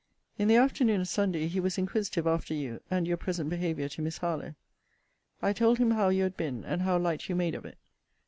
In the afternoon of Sunday, he was inquisitive after you, and your present behaviour to Miss Harlowe. I told him how you had been, and how light you made of it.